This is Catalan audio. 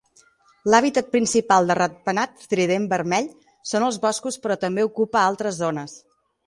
L'hàbitat principal del ratpenat trident vermell són els boscos, però també ocupa altres zones.